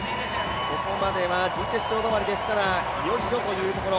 ここまでは準決勝止まりですからいよいよというところ。